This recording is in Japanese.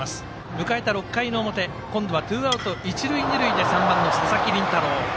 迎えた６回の表今度はツーアウト、一塁二塁で３番の佐々木麟太郎。